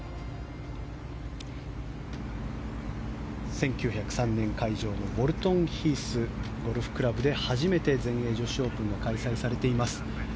１９０３年開場のウォルトンヒースゴルフクラブで初めて全英女子オープンが開催されています。